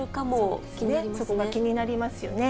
そこが気になりますよね。